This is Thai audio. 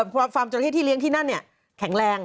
ความจราเข้มที่เลี้ยงที่นั่นแข็งแรง